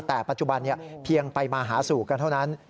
แต่ปัจจุบันเพียงไปมาหาสู่กันเท่านั้น